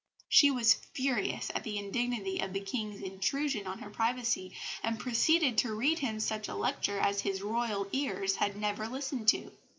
She was furious at the indignity of the King's intrusion on her privacy, and proceeded to read him such a lecture as his Royal ears had never listened to.